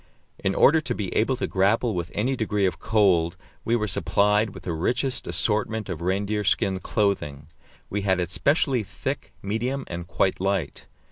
In order to be able to grapple with any degree of cold, we were supplied with the richest assortment of reindeer skin clothing; we had it specially thick, medium, and quite light.